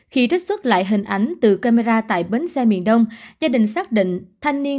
khi trích xuất lại hình ảnh từ camera tại bến xe miền đông gia đình xác định thanh niên